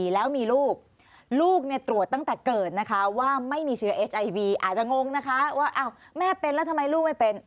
แล้วมีลูกลูกตรวจตั้งแต่เกิดว่าไม่มีเชื้ออาจจะงงว่าแม่เป็นแล้วลูกไม่เป็น